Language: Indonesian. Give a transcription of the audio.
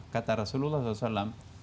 kata rasulullah saw